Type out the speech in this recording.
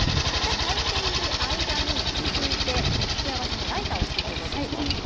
炊いている間に続いて付け合わせのライタを作っていきます。